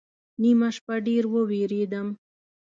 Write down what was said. نیمه شپه ډېر ووېرېدم